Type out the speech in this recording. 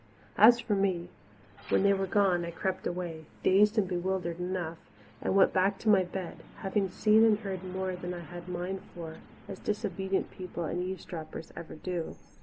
As for me, when they were gone I crept away, dazed and bewildered enough, and went back to my bed, having seen and heard more than I had a mind for, as disobedient people and eavesdroppers ever do.